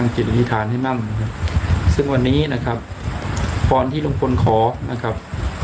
สร้างเรื่องอะไรก็ตามนะครับ